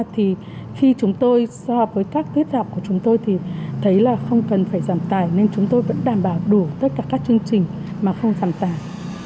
thì khi chúng tôi so với các tiết học của chúng tôi thì thấy là không cần phải giảm tài nên chúng tôi vẫn đảm bảo đủ tất cả các chương trình mà không giảm tài